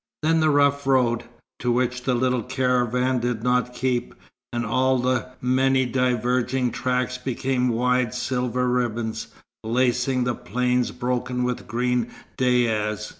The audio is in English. Then the rough road (to which the little caravan did not keep) and all the many diverging tracks became wide silver ribbons, lacing the plain broken with green dayas.